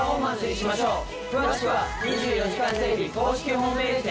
詳しくは『２４時間テレビ』公式ホームページで。